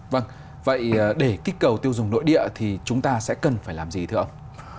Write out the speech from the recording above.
vâng vậy để kích cầu tiêu dùng nội địa thì chúng ta sẽ cần phải làm gì thưa ông